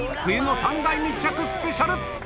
冬の３大密着スペシャル。